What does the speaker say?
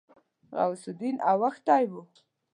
غوث الدين اوښتی و.